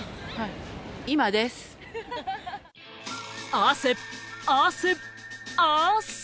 汗、汗、汗！